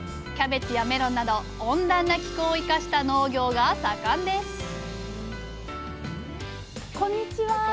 キャベツやメロンなど温暖な気候を生かした農業が盛んですこんにちは。